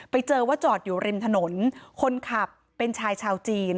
ไปเจอว่าจอดอยู่ริมถนนคนขับเป็นชายชาวจีน